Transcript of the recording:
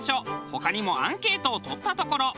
他にもアンケートをとったところ。